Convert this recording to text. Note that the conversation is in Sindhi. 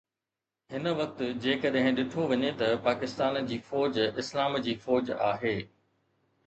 هن وقت جيڪڏهن ڏٺو وڃي ته پاڪستان جي فوج اسلام جي فوج آهي